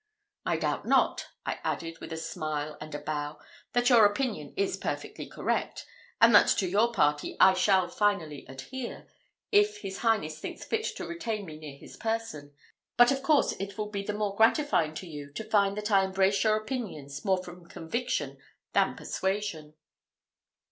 I doubt not," I added, with a smile and a bow, "that your opinion is perfectly correct, and that to your party I shall finally adhere, if his highness thinks fit to retain me near his person; but of course it will be the more gratifying to you to find that I embrace your opinions more from conviction than persuasion."